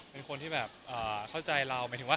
เป็นคนที่เข้าใจเรา